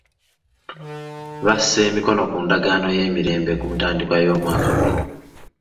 Bassa emikono ku ndagaano y'emirembe ku ntandikwa y'omwaka guno.